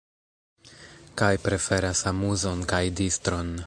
Kaj preferas amuzon kaj distron.